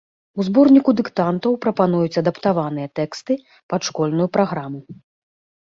У зборніку дыктантаў прапануюць адаптаваныя тэксты, пад школьную праграму.